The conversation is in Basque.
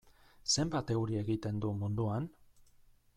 Zenbat euri egiten du munduan?